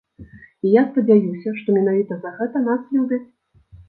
І я спадзяюся, што менавіта за гэта нас любяць.